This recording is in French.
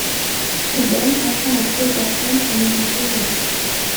L'Éden offre un accès aux personnes à mobilité réduite.